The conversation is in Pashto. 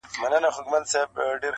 • په دنیا کي چي تر څو جبر حاکم وي-